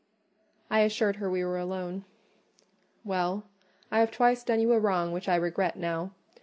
I assured her we were alone. "Well, I have twice done you a wrong which I regret now.